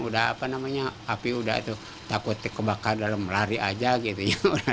udah apa namanya api udah itu takut kebakar dalam lari aja gitu ya